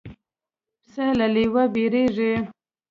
پسه له لېوه وېرېږي.